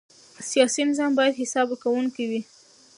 سیاسي نظام باید حساب ورکوونکی وي